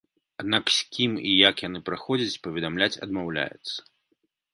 Аднак з кім і як яны праходзяць, паведамляць адмаўляецца.